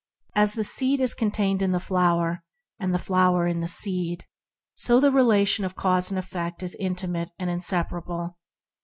As the seed is contained in the flower, and the flower 20 ENTERING THE KINGDOM in the seed, so the relation of cause and effect is intimate and inseparable.